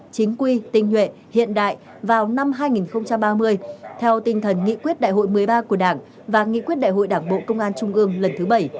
chính quy tinh nhuệ hiện đại vào năm hai nghìn ba mươi theo tinh thần nghị quyết đại hội một mươi ba của đảng và nghị quyết đại hội đảng bộ công an trung ương lần thứ bảy